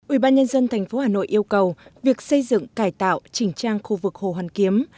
ủy ban nhân dân tp hà nội yêu cầu việc xây dựng cải tạo chỉnh trang khu vực hồ hoàn kiếm